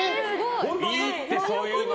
いいって、そういうの！